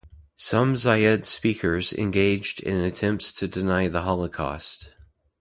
Some Zayed speakers engaged in attempts to deny the Holocaust.